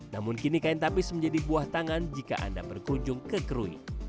namun kini kain tapis menjadi buah tangan jika anda berkunjung ke krui